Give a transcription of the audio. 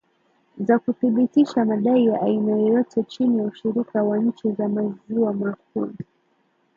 za kuthibitisha madai ya aina yoyote chini ya ushirika wa nchi za maziwa makuu